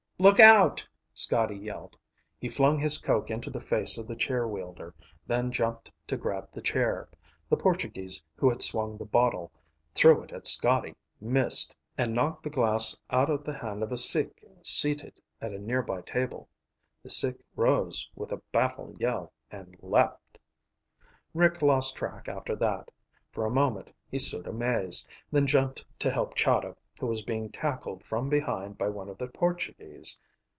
"Look out!" Scotty yelled. He flung his coke into the face of the chair wielder, then jumped to grab the chair. The Portuguese, who had swung the bottle, threw it at Scotty, missed, and knocked the glass out of the hand of a Sikh seated at a near by table. The Sikh rose with a battle yell and leaped. Rick lost track after that. For a moment he stood amazed, then jumped to help Chahda, who was being tackled from behind by one of the Portuguese.